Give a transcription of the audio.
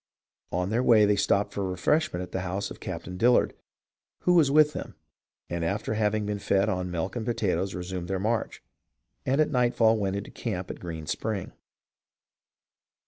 On their way they stopped for refreshment at the house of Captain Dillard, who was with them, and after having been fed on milk and potatoes resumed their march, and at nightfall went into camp at Green Spring.